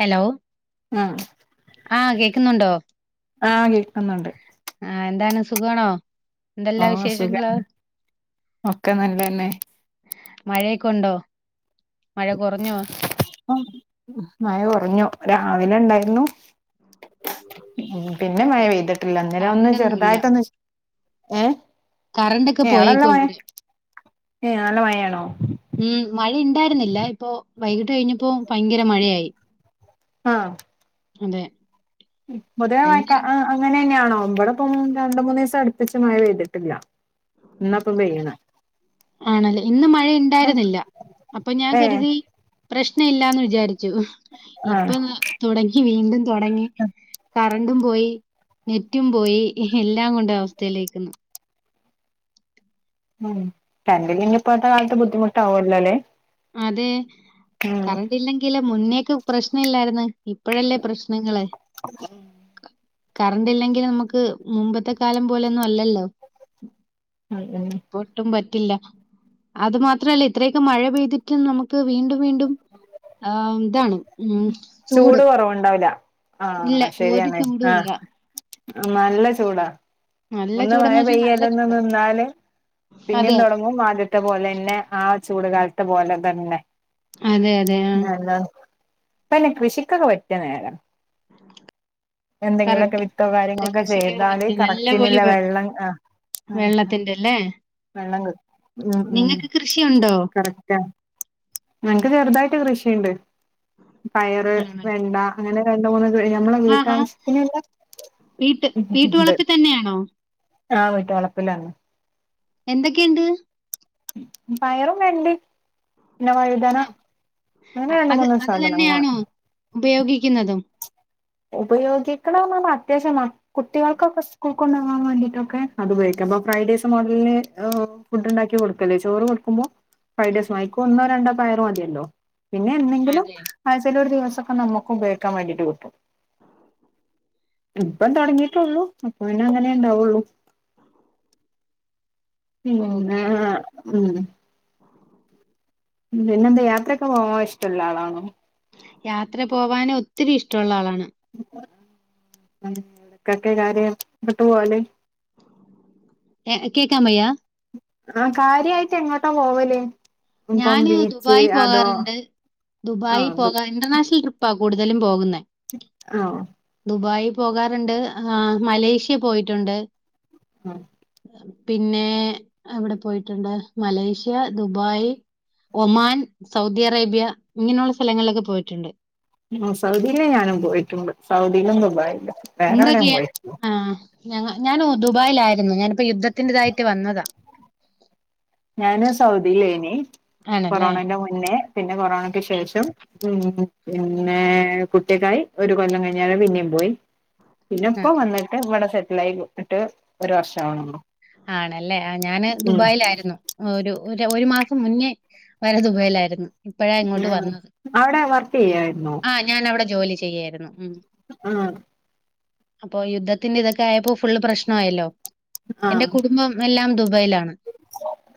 Hello ആഹ് ആഹ് കേക്കുന്നുണ്ടോ ആഹ് കേൾക്കുന്നുണ്ട് ആഹ് എന്താണ് സുഖണോ ആഹ് സുഖ ഒക്കെ നല്ലന്നെ മഴൊക്കെണ്ടോ മഴ കോറഞ്ഞോ ആഹ് മഴ കോറഞ്ഞു രാവിലെ ണ്ടായിരുന്നു പിന്നെ മഴ അതല്ല ഇവിടെ പെയ്തിട്ടില്ല അന്നേരം ഒന്ന് കറണ്ടൊന്നുല്ല ചെറുതായിട്ടൊന്ന് ഏ കറണ്ട് ഒക്കെ പോയേക്ക ഇവിടെ ഏ നല്ല മഴയാണോ മം മഴ ണ്ടായിരുന്നില്ല ഇപ്പൊ വൈകിട്ട് കഴിഞ്ഞപ്പോ ഭയങ്കര മഴയായി ആഹ് അതെ പൊതുവേ മഴ ക ഭയങ്കര അങ്ങനെ ന്നെയാണോ ഇബടപ്പൊ രണ്ട് മൂന്നീ ദസം അടുപ്പിച്ച് മഴ പെയ്തിട്ടില്ല ഇന്ന് ഇപ്പം പെയ്യ്ണെ ആണല്ലേ ഇന്ന് മഴ ഇണ്ടായിരുന്നില്ല അപ്പൊ ഞാൻ ഏഹ് കരുതി പ്രശ്ന ഇല്ലാന്ന് വിചാരിച്ചു ആഹ് ഇപ്പൊ തൊടങ്ങി വീണ്ടും തൊടങ്ങി പണ്ടും പോയി നെറ്റും പോയി എല്ലാം കൊണ്ട അവസ്ഥയിലേക്കുന്നു ഉം കറൻ്റില്ലേല് ഇഞ്ഞ് പ്പത്തെ കാലത്ത് ബുദ്ധിമുട്ടാവല്ലോ ല്ലേ അതെ കറണ്ട് ഇല്ലെങ്കിൽ മുന്നേക്ക് പ്രശ്ന ഇല്ലായിാരുന്ന് ഇപ്പഴല്ലേ പ്രശ്നങ്ങള് ഉം കറണ്ട് ഇല്ലെങ്കിൽ നമുക്ക് മുമ്പത്തെ കാലം പോലെയൊന്നും അല്ലല്ലോ അതെ ഉം ഒട്ടും പറ്റില്ല അത് മാത്രല്ല ഇത്രയൊക്കെ മഴ പെയ്തിട്ടും നമുക്ക് വീണ്ടും വീണ്ടും ആഹ് ഇതാണ് ചൂട് കൊറവുണ്ടാവില്ല ഇല്ല ആഹ് ഒരു ശരിയണ് ചൂടും ആഹ് ഇല്ല. നല്ല ചൂടാ നല്ല ഒന്ന് മഴ ചൂടെന്ന് വെച്ചാൽ നല്ല പെയ്യല് ചൂട്. നിന്നാല് പിന്നെയും അതെ തൊടങ്ങും മ ആദ്യ ത്തെ പോലെന്നെ ആ ചൂടുകാലത്തെ പോലെ തന്നെ അതെ അതെ ആഹ് ഇപപിന്നെ കൃഷിക്കൊക്കെ പറ്റിയ നേര എന്തെങ്കിലൊക്കെ കറക്റ്റ്. വിത്തോ കാര്യങ്ങളൊക്കെ കൃഷിക്കൊക്കെ ചെയ്താല് പറ്റിയ നല്ല പോലെ കറക്റ്റിനില് വെ വെള്ളം ആഹ് ആഹ് വെള്ളത്തിന്റെ അല്ലേ? വെള്ളംകി ഉം നിങ്ങൾക്ക് കൃഷിയുണ്ടോ? ഉംകറക്റ്റാ ഞങ്ങക്ക് ചെറുതായിട്ട് കൃഷിയിണ്ട് പയറ് ആണോ വെണ്ട അങ്ങനെ രണ്ട് മൂന്ന് ഞമ്മളെ ആഹാ വീട്ടാവശ്യത്തിന് ഇല്ല വീട്ട് ഇണ്ട് വീട്ടുവളപ്പിൽ തന്നെയാണോ? ആഹ് വീട്ട് വളപ്പിലാണ് എന്തൊക്കെയുണ്ട് പയറും വെണ്ടയും പിന്നെ വഴുതന ആ അങ്ങനെ രണ്ട് അത് മൂന്ന് അത് സാധനങ്ങള് തന്നെയാണോ ഉപയോഗിക്കുന്നതും ഉപയോഗിക്ണേർഞ അത്യാവശ്യമാ കുട്ട്യേൾക്കൊക്കെ സ്കൂൾ കൊണ്ടകാൻ വേണ്ടിട്ടൊക്കെ അത് ഉപയോഗിക്കും അപ്പൊ ഫ്രൈഡേസ് മോട്ല് ഏഹ് ഫുഡ്ണ്ടാക്കി കൊടുക്കല്ലേ ചോറ് കൊടുക്കുമ്പോ ഫൈവ് ഡേയ്സ്മായ് ക്കൊന്നോ രണ്ടോ പയറ് മതിയല്ലോ പിന്നെ എന്തെങ്കിലും അതെ. ആഹ് ചേലോരു ദിവസൊക്ക നമുക്ക് ഉപയോക്കാൻ വേണ്ടിട്ട് കിട്ടും ഇപ്പം തുടങ്ങിട്ടുള്ളൂ അപ്പൊന്നെ അങ്ങനെ ഉണ്ടാവുള്ളൂ ഉം ഓക്കെ. അഹ് ആഹ് ഉം ഉം പിന്നെ എന്താ യാത്രയൊക്കെ പോകവാൻ ഇഷ്ടള്ള ആളാണോ യാത്ര പോവാൻ ഒത്തിരി ഇഷ്ടള്ള ആളാണ് ക്കെ കാര്യ വിട്ട് പോവല് എഹ് കേക്കാമയ്യ ആഹ് കാര്യയിട്ട് എങ്ങോട്ടാ പോവലേ ഞാന് ദുബായി പോകാറുണ്ട് ആ ദുബായി അത് പോകാ ഇന്റർനാഷണൽ ട്രിപ്പ് പ്പാ കൂടുതലും പോകുന്നെ ആഹ് ദുബായി പോകാറുണ്ട് ആഹ് മലേഷ്യ പോയിട്ടുണ്ട് ആഹ് പിന്നെ അവിടെ പോയിട്ടുണ്ട് Malaysia Dubai Oman Saudi Arabia ഇങ്ങനെയുള്ള സ്ഥലങ്ങളിലൊക്കെ പോയിട്ടുണ്ട് സൗദിയിൽ ഞാനും പോയിട്ടുണ്ട് സൗദിയിലും ആഹ്. ദുബായിലും വേറെ എവിടേം പോയിട്ടില്ല ഞങ ഞാനു ദുബായിലായിരുന്നു ഞാനിപ്പോ യുദ്ധത്തിൻ്റെതായിട്ട് വന്നതാ ഞാന് സൗദി ലേനി ആണല്ലേ? കൊറോണന്റെ മുന്നേ പിന്നെ കൊറോണക്ക് ശേഷം ഉം പിന്നെ കുട്ടിക്കായി ഒരു കൊല്ലം കഴിഞ്ഞാല് പിന്നെയും പോയി. പിന്നെ ഇപ്പോ അങ്ങനെ. വന്നിട്ട് ഇവിടെ സെറ്റിലായി ഇട്ട് ഒരു വർഷാക്ണോള്ളൂ ആണല്ലേ. ആഹ് ഞാന് ദുബായിലായിരുന്നു. ഒരു ഒരു മാസം മുന്നേ വരെ ദുബായിലായിരുന്നു ഇപ്പഴാ ഇങ്ങോട്ട് ആഹ് വന്നത് അവിടെ വർക്ക് ചെയ്യായിരുന്നോ ആഹ് ഞാൻ അവിടെ ജോലി ചെയ്യായിരുന്നു. ഉം. ആഹ് അപ്പൊ യുദ്ധത്തിന്റെ ഇതൊക്കെയപ്പോ ഫുള്ള്പ്രശ്നായല്ലോ എന്റെ ആഹ് കുടുംബം എല്ലാം ദുബായിലാണ്.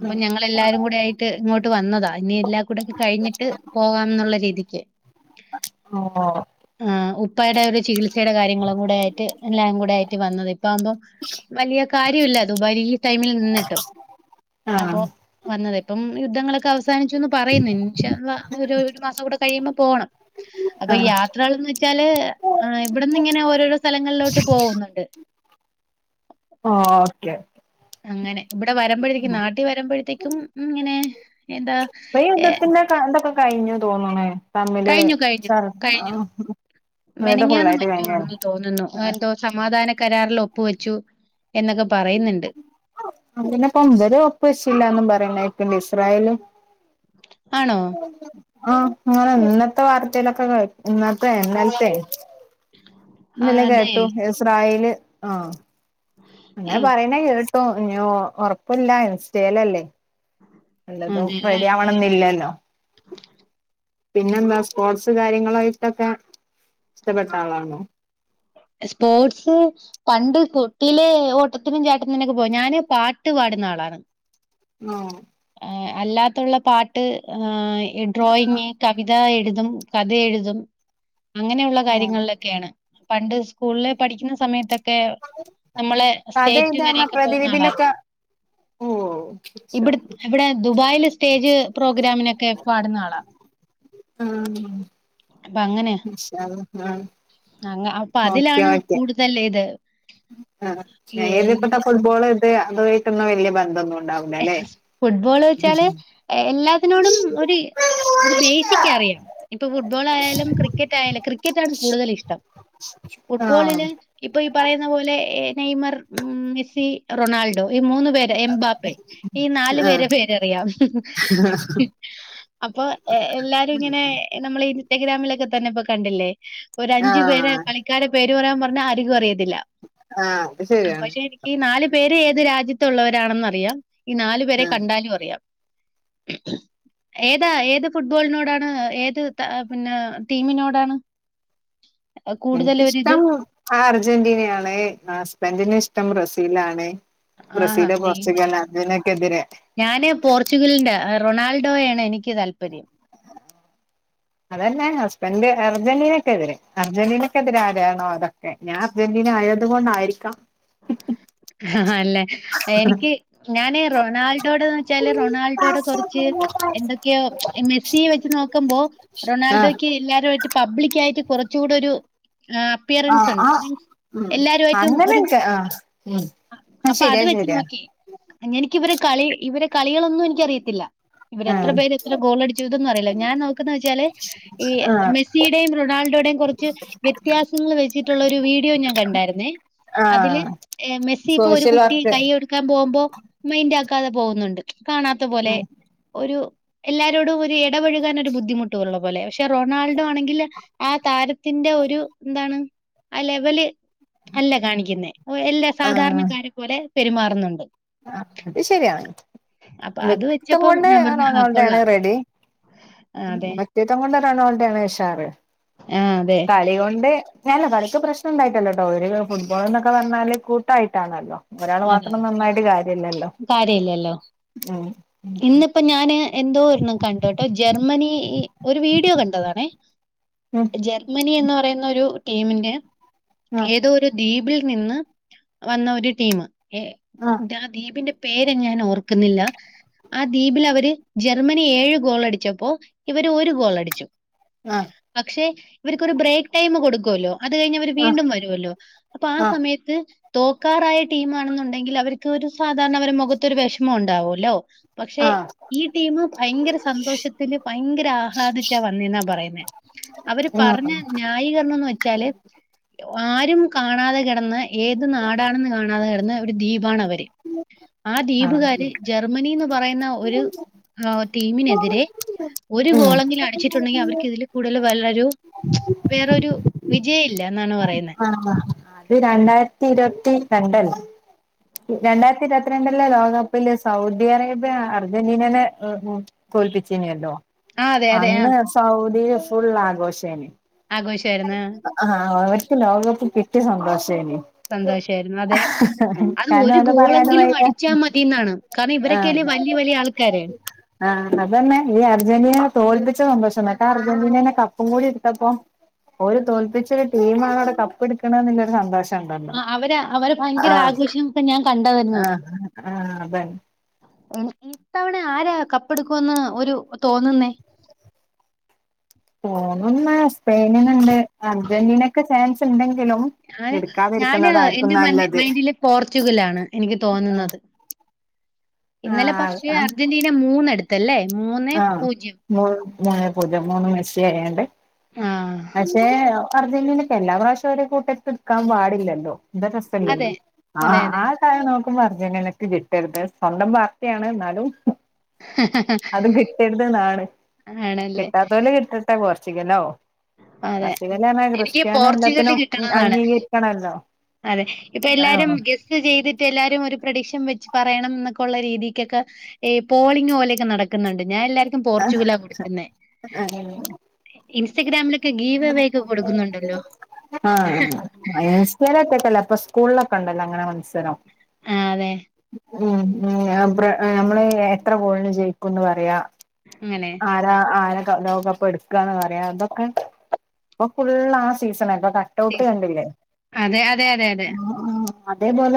അപ്പൊ ഞങ്ങ എല്ലാരും കൂടെ ആയിട്ട് ഇങ്ങോട്ട് വന്നതാ. ഇനി എല്ലാ കൂടെ ഒക്കെ കഴിഞ്ഞിട്ട് പോകാംന്നുള്ള രീതിക്ക് ഓ ആഹ് ഉപ്പയുടെ ഒരു ചികിൽ സ് സയുടെ കാര്യങ്ങളും കൂടെ ആയിട്ട് എല്ലാം കൂടെ ആയിട്ട് വന്നതാ. ഇപ്പം ആകുമ്പോ വലിയ കാ ര്യുല്ല ദുബായില് ഈ ടൈമിൽ നിന്നിട്ടും. ആഹ് അപ്പോ വന്നത് ഇപ്പം യുദ്ധങ്ങളൊക്കെ അവസ് സാനിച്ചുന്ന് പറയുന്നു. ഇൻഷാ അള്ളാ. ഒരു മാസം കൂടെ കഴിയുമ്പോ പോണം. അപ്പൊ ആഹ് യാത്രകൾന്ന് വെച്ചാല് ഇവിടന്ന്ങ്ങനെ ഓരോരോ സ്ഥലങ്ങളിലോട്ട് പോകുന്നുണ്ട്. ഓക്കെ അങ്ങനെ ഇവിടെ വരുമ്പഴേക്കും നാട്ടി വരുമ്പോഴത്തേക്കും ഇങ്ങനെ എന്താ ഏ കാ ന്തൊക്കെ കഴിഞ്ഞു തോന്നണേ. തമ്മില് കഴിഞ്ഞു കഴിഞ്ഞു കഴിഞ്ഞു [unintelligible] മെനങ്ങാന്ന് ഫുള്ളായിട്ട് മറ്റോ കഴിഞ്ഞാണ് ആണെന്ന് തോന്നുന്നു എന്തോ സമാധാന കരാറിൽ ഒപ്പു വെച്ചു എന്നൊക്കെ പറയുന്നുണ്ട്. അംഗനെപ്പം തെരേ ഒപ്പു വെച്ചില്ലാന്നും പറയുന്നേക്ക്‌ണ്ട് ഇസ്രായേലും ആണോ? ആഹ് ഇങ്ങ ഇന്നത്തെ വാർത്തയിലൊക്കെ കേ ഇന്നത്തെ ഇന്നൽത്തെ ആ ഇന്നലെ അതെ കേട്ടു ഇസ്രായേല് ആഹ് അങ്ങനെ അയ്യോ പറയ്ണെ കേട്ടു ഉറപ്പില്ല ഇൻസ്റ്റേലല്ലേ? എല്ലതും അതെല്ലേ റെഡിയാവണന്ന്ല്ലല്ലോ? പിന്നെന്താ സ്പോർട്സ് കാര്യങ്ങളായിട്ടൊക്കെ ഇഷ്ടപ്പെട്ടാളാണോ? ഇ സ്പോർട്സ് പണ്ട് കുട്ടിലെ ഓട്ടത്തിനും ചാട്ടത്തിനൊക്കെ പോകും. ഞാന് പാട്ട് പാടുന്ന ആളാണ്. ആഹ് ഏഹ് അല്ലാത്തുള്ള പാട്ട്, ഏഹ് ഡ്രോയിങ്, കവിത എഴുതും. കഥ എഴുതും, അങ്ങനെയുള്ള ആഹ് കാര്യങ്ങളിലൊക്കെയാണ്. പണ്ട് സ്കൂളിലെ പഠിക്കുന്ന സമയത്തൊക് ക്കെ നമ്മളെ കഥ സ്റ്റേറ്റ് വരെയൊക്കെ പോകുന്ന ആളായിരുന്നു. ഓ [unintelligible] ഇവിടെ ദുബായിൽ സ്റ്റേജ് പ്രോഗ്രാമിനൊക്കെ പാടുന്ന ആളാ. അള്ളാ ആഹ് അപ്പങ്ങനെയാ. മാഷാ അള്ളാ ആഹ് അങ്ങ അപ്പതിലാണ് കൂടുതൽ ഇത് ആഹ് ഞാൻ ഈ എഴുതിപ്പെട്ട ഇത് ഫുട്ബോൾ ഇത് അതുമായിട്ടൊന്നും വലിയ ബന്ധമൊന്നു ഫുട്ബോള് വെച്ചാല്എ എല്ലാത്തിനോടും ഒര് ഒരു ബേസിക് അറിയാം. ഇപ്പൊ ഫുട്ബോളായാലും ക്രിക്കറ്റായാലും, ക്രിക്കറ്റാണ് കൂടുതൽ ഇഷ്ടം. ആഹ് ഫുട്ബോളില് ഇപ്പൊ ഈ പറയുന്ന പോലെ നെയ്മർ, മെസ്സി, റൊണാൾഡോ ഈ മൂന്ന്പേരെ എംബാപ്പെ ഈ ആഹ് നാലുപേരെ പേരറിയാം. അപ്പൊ എല്ലാരു ഇങ്ങനെ നമ്മള് ഇൻസ്റ്റഗ്രാമിലൊക്കെ തന്നെ ഇപ്പോകണ്ടില്ലേ? ഒരഞ്ചു പേര് ആഹ് കളിക്കാരെ പേര് പറയാൻ പറഞ്ഞാ അരികും അറിയത്തില്ല. ആഹ് അത് അപ്പ ശരിയാണ് ശരി ക്കീ ഈ നാല് പേരും ഏത് രാജ്യത്തുള്ളവരാണെന്നറിയാം. ഈ നാലു പേരെ ആഹ് കണ്ടാലു അറിയാം. ഏതാ ഏത് ഫുട്ബോളിനോടാണ് ഏത് ത പിന്നെ ടീമിനോടാണ് കൂടുതൽ ഒരിത്? ആഹ് അർജന്റിനെയാണ്. ഹസ്ബന്റിന് ഇഷ്ടം ബ്രസീലാണ്. ആഹാ ബ്രസീല് നെയ്മറ്, പോർച്ചുഗൽ അതിനൊക്കെതിരെ ഞാന് പോർച്ചുഗലിന്റെ അഹ് റൊണാൾഡോയാണ് എനിക്ക് താൽപര്യം. അതന്നെ ഹസ്ബൻഡ് അർജന്റീനക്കെതിരെ. അർജന്റീനക്കെതിരെ ആരാണോ അതൊക്കെ ഞാ അർജന്റീനായത് കൊണ്ടായിരിക്കാം. ആ അല്ലേ എനിക്ക് ഞാന് റൊണാൾഡോഡെന്ന് വെച്ചാല് റൊണാൾഡോടെ കൊറച്ച് എന്തൊക്കെയോ മെസ്സിയെവെച്ച് നോക്കുമ്പോ ആഹ് റൊണാൾഡോയ്ക്ക് എല്ലാവരുമായിട്ട് പബ്ലിക്കായിട്ട് കുറച്ചൂടൊരു ആഹ് അപ്പിയറൻസ് ആഹ് ണ്ട്. ആഹ് മീൻസ് ഉം എല്ലാരുആയിട്ടും ഒരു അങ്ങനെയൊക്കെ ആഹ് ഉം ആഹ് അപ്പൊ അത് ശരിയാ വെച്ച് ശരിയാ നോക്കി. എനിക്ക് ഇവരെ കളി, ഇവരെ കളികളൊന്നും എനിക്കറിയത്തില്ല ഇവരെത്ര ആഹ് പേര് എത്രഗോളടിചു ഇതൊന്നുഅറിയില്ല. ഞാൻ നോക്കുന്ന വെച്ചാല് ഈ ആഹ് മെസ്സിയുടെയും റൊണാൾഡോയുടെയും കൊറച്ച് വ്യത്യാസങ്ങൾ വെച്ചിട്ടുള്ളൊരു വീഡിയോ ഞാൻ കണ്ടായിരുന്നേ. അതില് ആഹ് ഏഹ് മെസ്സി ഇപ്പോ ഒരു സോഷ്യൽ കുട്ടി വർക്ക് കൈയ്യൊടുക്കാൻ പോവുമ്പോ മൈന്റാക്കാതെ പോവുന്നുണ്ട്.. കാണാത് ത്തെ പോലെ. ആഹ് ഒരു എല്ലാരോടും ഒരു എടപഴുകാനൊരു ബുദ്ധിമുട്ടുള്ള. പോലെ. പക്ഷെ റൊണാൾഡോ ആണെങ്കില് ആ താരത്തിന്റെ ഒരു, ന്താണ് ആ ലെവല് അല്ല കാണിക്കുന്നെ. ഒ എല്ല സാധാരണക്കാരെ പോലെ പെരുമാറുന്നുണ്ട് ആഹ് അത് ശരിയാണ്. അപ്പൊ അത് വ്യക്തിത്തം വെച്ചപ്പം കൊണ്ട് ഞാൻ പറഞ്ഞു ആ റൊണാൾഡോയാണ് കൊള്ളാം. റെഡി. ആ അതെ വ്യക്തിത്തം കൊണ്ട് റൊണാൾഡോ ആണ് ഉഷാറ്. ആ അതെ. കളി കൊണ്ട് അല്ല കളിക്ക് പ്രശ്നണ്ടായിട്ടല്ലോട്ടോ. ഒര് ഫുട്ബോള്ന്നൊക്കെ പർഞ്ഞാല് കൂട്ടായിട്ടാണല്ലോ? ഒരാള് അതെ മാത്രം അതെ. നന്നായിട്ട് കാര്യല്ലല്ലോ. ഉം ഇന്നിപ്പം ഞാന് എന്തോ ഒന്ന് കണ്ടൂട്ടോ ജർമ്മനി ഒരു വീഡിയോ കണ്ടതാണേ. ഉം ജർമ്മനി എന്ന് പറയുന്ന ഒരു ടീമിന്റെ ഉം ഏതോ ഒരു ദ്വീപിൽ നിന്ന് വന്ന ഒരു ടീമ്. ഏ ആഹ് കുട്ടിയളെ ദീപ്ന്റെ പേര് ഞാൻ ഓർക്കുന്നില്ല. ആ ദ്വീപില് അവര് ജർമ്മനി ഏഴ് ഗോളടിച്ചപ്പോ ഇവര് ഒരു ഗോളടിച്ചു. ആഹ് പക്ഷെ ഇവര്ക്കൊരു ബ്രേക്ക് ടൈമ് കൊടുക്കുവല്ലോ. അത് കഴിഞ് അവര് ആഹ് വീണ്ടും വരുവല്ലോ. അപ്പൊ ആ ആഹ് സമയത്ത് തോക്കാറായ ടീമാണെന്നുണ്ടെങ്കില് അവര് ഒരു സാധാരണ അവരെ മുഖത്തൊരു വെഷ്മം ഉണ്ടാവൊല്ലോ. പക്ഷെ ആഹ് ഈ ടീമ് ഭയങ്കര സന്തോഷത്തില് ഭയങ്കര ആഹ്ലാദിച്ചാ വന്നെന്നാ പറയുന്നെ. അവര് ആഹ് പറഞ്ഞ ആഹ് ന്യായീകരണംന്ന് വെച്ചാല് ആരും കാണാതെ കിടന്ന ഏത് നാടാണെന്ന് കാണാതെ കിടന്ന ഒരു ദ്വീപാണ് അവര്. ആ ആഹ് ദ്വീപുകാര് ജർമ്മനിന്ന് പറയുന്ന ഒരു ടീമിനെതിരെ ഒരു ഉം ഗോളെങ്കിലും അടിച്ചിട്ടുണ്ടെങ്കി അവര്ക്ക് ഇതില് കൂടുതൽ [unintelligible] വേറൊരു വിജയല്ലന്നാണ് പറയുന്നെ [unintelligible] ഇത് രണ്ടായിരത്തി ഇരുവത്തി രണ്ടല്ലേ രണ്ടായിരത്തി ഇരുവത്തിരണ്ടിലെ ലോകകപ്പില് സൗദി അറേബ്യ അർജന്റീനനെ തോൽപ്പിചീനിയല്ലോ. ആഹ് അതെ അതെ ആഹ് അന്ന് സൗദി ഫുൾ ആഘോഷേനി ആഗോഷ് ആ അവർക്ക് ലോകകപ്പ് കിട്ടിയ സന്തോഷേനി സന്തോഷായിരുന്നു അതെ. അത് കാരണം ഒരു ഓലെ പറയാനും ഗോളെങ്കിലും വയ്യ അടിച്ചാ മതി ന്നാണ്. കാരണം ആ ഇവരൊക്കെല്ലേ വല്യ വലിയ ആൾക്കാര് ആ അതന്നെ. ഈ അർജന്റീനനെ തോൽപ്പിച്ച സന്തോഷം. മറ്റാ അർജന്റീനനെ കപ്പും കൂടി എട്ത്തപ്പോ ഓര് തോൽപ്പിച്ചൊരു ടീമാ കപ്പ് ഇട്ക്ക്‌ണെന്ന്ല്ലരു സന്തോഷം. ഉണ്ടല്ലോ ആ അവരെ അവര് ഭയങ്കര ആഹ് ആഘോഷം ഇപ്പൊ ഞാൻ കണ്ടതര്ന്നു. ആഹ് ആഹ് അതന്നെ ഇത്തവണ ആരാ കപ്പ് എടുക്കുമന്ന് ഒരു തോന്നുന്നേ തോന്നുന്നേ സ്പെയിനിന്ണ്ട്. അർജന്റീനക്ക്‌ ചാൻസ് ഇണ്ടെങ്കിലും ഞാന് എന്റെ മ മൈന്റില് പോർച്ചുഗലാണ് എനിക്ക് ആഹ് തോന്നുന്നത്. ഇന്നലെ ആഹ് പക്ഷേ ആഹ് അർജന്റീന മൂന്നടുത്തല്ലേ മൂന്ന് ആഹ് പൂജ്യം മൂന്ന് മൂന്ന് പൂജം മൂന്ന് മെസ്സി ആയാണ്ട് ആഹ് പക്ഷെ അർജന്റീനക്ക് എല്ലാ പ്രാവഷ്യം ഒര് കൂട്ടര്ക്ക് ഇട്ക്കാം പാടില്ലല്ലോ ന്താ രസല്ലല്ലോ അതെ അതെ അതെ ആ നോക്കുമ്പോ അർജന്റീനക്ക് കിട്ടര്ത് സ്വന്തം പാർട്ട്യാണ് ന്നാലും അത് കിട്ടര്ത് ന്നാണ് ആണല്ലേ കിട്ടാത്തോല് കിട്ടട്ടെ പോർച്ചുഗലോ അതെ. പോർച്ചുഗലാർഞ്ഞാ എനിക്ക് ക്രിസ്ത്യാനോ പോർച്ചുഗല് എല്ലത്തിനും കിട്ടണംന്നാണ് അംഗീകരിക്കണല്ലോ അതെ ഇപ്പൊ എല്ലാരും ആഹ് ഗെസ് ചെയ്തിട്ട് എല്ലാരും ഒരു പ്രൊഡിക്ഷൻ വെച്ച് പറയണംന്നെക്കൊള്ള രീതിക്കൊക്കെ ഈ പോളിങ് പോലൊക്കെ നടക്കുന്നുണ്ട് ഞാൻ എല്ലാർക്കും ആഹ് പോർച്ചുഗലാ കൊടുക്കുന്നെ ഇൻസ്റ്റഗ്രാമിലൊക്കെ ഗീവവെയൊക്കെ കൊടുക്കുന്നുണ്ടല്ലോ ഇൻസ്റ്റേലൊറ്റക്കല്ലാ ഇപ്പൊ സ്കൂൾളൊക്കെണ്ടല്ലോ അങ്ങനെ മത്സരം ആഹ് അതെ ഉം ഉം നമ്മള് എത്ര ഗോള്ന് ജയിക്കുന്ന് പറയാ അങ്ങനെ ആരാ ആരാ ക ലോകകപ്പ് എട്ക്കാന്ന് പറയാ തൊക്കെ ഇപ്പൊ ഫുള്ള് ആ സീസണാ ഇപ്പൊ കട്ടഔട്ട് സീസൺ കണ്ടില്ലേ അതെ അതെ അതെ അതെ ആഹ് അതേപോലെ